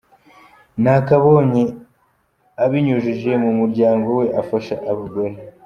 Nakabonye abinyujije mu muryango we afasha abagore.